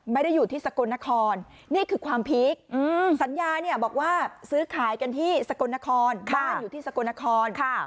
ไม่ได้อยู่ที่สกลนครนี่คือความพีคสัญญาเนี่ยบอกว่าซื้อขายกันที่สกลนครบ้านอยู่ที่สกลนคร